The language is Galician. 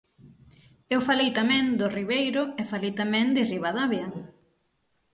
Eu falei tamén do Ribeiro e falei tamén de Ribadavia.